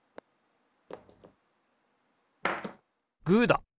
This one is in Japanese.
グーだ！